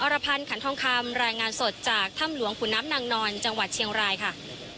รพันธ์ขันทองคำรายงานสดจากถ้ำหลวงขุนน้ำนางนอนจังหวัดเชียงรายค่ะ